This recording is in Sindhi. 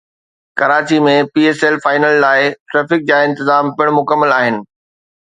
Karachi ۾ P S L final لاءِ ٽريفڪ جا انتظام پڻ مڪمل آهن